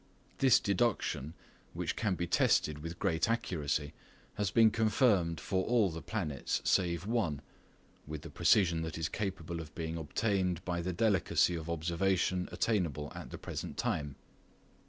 This deduction, which can be tested with great accuracy, has been confirmed for all the planets save one, with the precision that is capable of being obtained by the delicacy of observation attainable at the present time.